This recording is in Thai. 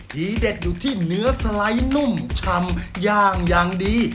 ทีเด็ดอยู่ที่เนื้อสไลด์นุ่มชำย่างอย่างดี